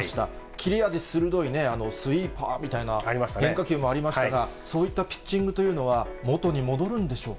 キレ味鋭いスイーパーみたいな、変化球もありましたが、そういったピッチングというのは元に戻るんでしょうか。